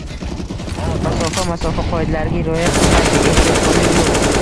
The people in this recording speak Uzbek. Masofa, masofa qoidalariga rioya qilinmaydi, ehtiyotkorlik yo'q